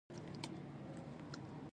دریشي ته مناسب کمیس او ټای ضروري دي.